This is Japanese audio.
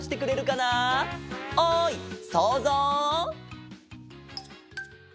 おいそうぞう！